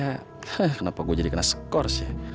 hah kenapa gua jadi kena skor sih